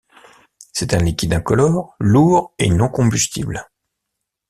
C'est un liquide incolore, lourd et non combustible.